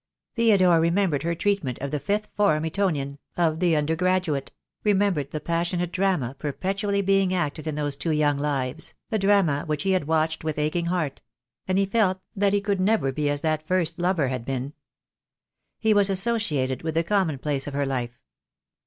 Theo dore remembered her treatment of the fifth form Etonian, of the undergraduate, remembered the passionate drama perpetually being acted in those two young lives, a drama which he had watched with aching heart; and he felt that he could never be as that first lover had been. He was associated with the commonplace of her life.